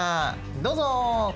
どうぞ。